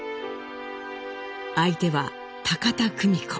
相手は田久美子。